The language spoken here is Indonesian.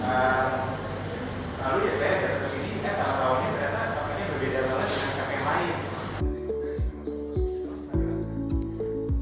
saat saat tahunnya ternyata kafenya berbeda soal kafe yang lain